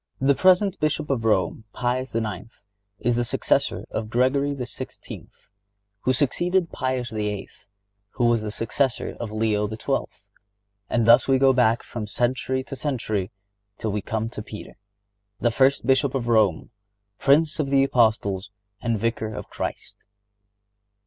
The present Bishop of Rome, Pius IX., is the successor of Gregory XVI., who succeeded Pius VIII., who was the successor of Leo XII. And thus we go back from century to century till we come to Peter, the first Bishop of Rome, Prince of the Apostles and Vicar of Christ.